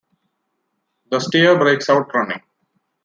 The steer breaks out running.